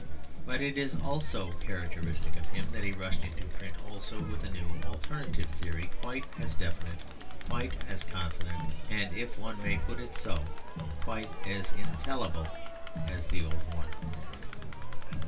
But it is also characteristic of him that he rushed into print also with a new alternative theory, quite as definite, quite as confident, and, if one may put it so, quite as infallible as the old one.